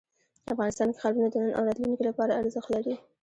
افغانستان کې ښارونه د نن او راتلونکي لپاره ارزښت لري.